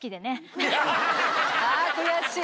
あ悔しい。